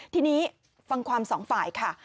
ทีนี้ฟังความสองฝ่ายค่ะ